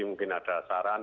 jadi mungkin ada saran